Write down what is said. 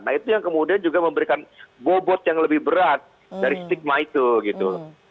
nah itu yang kemudian juga memberikan bobot yang lebih berat dari stigma itu gitu